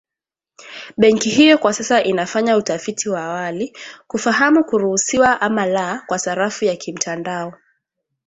Benki hiyo kwa sasa inafanya utafiti wa awali kufahamu kuruhusiwa ama la kwa sarafu za kimtandao